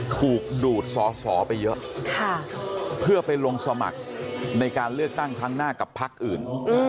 ถูกดูดซ่อไม่เยอะค่ะเผื่อไปลงสมัครในการเลือกตั้งทางหน้ากับภัคดิ์อื่น